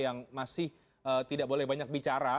yang masih tidak boleh banyak bicara